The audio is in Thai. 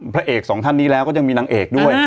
พระเอกสองท่านนี้แล้วก็ยังมีนางเอกด้วย